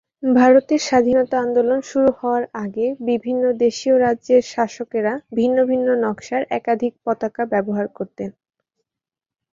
ভারতের স্বাধীনতা আন্দোলন শুরু হওয়ার আগে বিভিন্ন দেশীয় রাজ্যের শাসকেরা ভিন্ন ভিন্ন নকশার একাধিক পতাকা ব্যবহার করতেন।